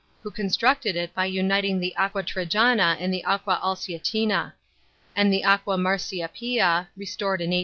who con structed it by uniting the Aqua Trajana and Aqua Alsietina; and the Acqua Marcia Pia, restored in 1870.